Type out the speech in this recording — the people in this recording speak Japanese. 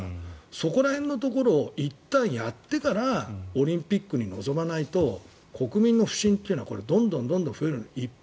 そこら辺のところをいったんやってからオリンピックに臨まないと国民の不信はどんどん増える一方。